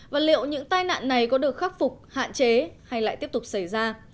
và liệu những tai nạn này có được khắc phục hạn chế hay lại tiếp tục xảy ra